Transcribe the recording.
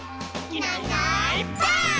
「いないいないばあっ！」